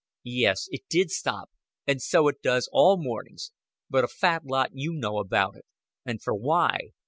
"Yes, it did stop and so it does all mornings. But a fat lot you know about it. And for why?